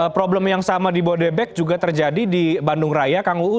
problem yang sama di bodebek juga terjadi di bandung raya kang uu